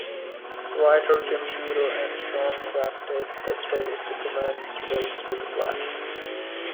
Writer Jim Shooter and Swan crafted the story Superman's Race With the Flash!